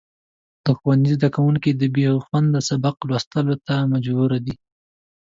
د ښوونځي زدهکوونکي د بېخونده سبق لوستلو ته مجبور دي.